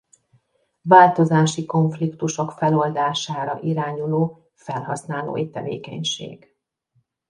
Változási konfliktusok feloldására irányuló felhasználói tevékenység.